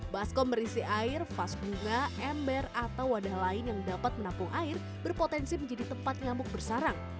baskom berisi air vas bunga ember atau wadah lain yang dapat menampung air berpotensi menjadi tempat nyamuk bersarang